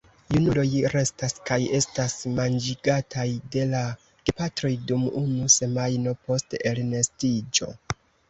Junuloj restas kaj estas manĝigataj de la gepatroj dum unu semajno post elnestiĝo.